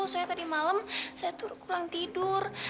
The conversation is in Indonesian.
soalnya tadi malam saya tuh kurang tidur